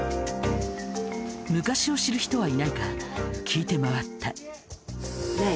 昔を知る人はいないか聞いて回った。